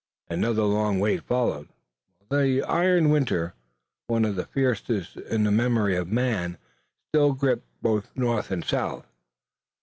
Another long wait followed, while the iron winter, one of the fiercest in the memory of man, still gripped both North and South.